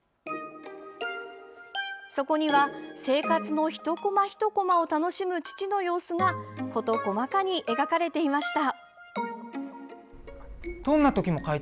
そこには生活の１コマ１コマを楽しむ父の様子が事細かに描かれていました。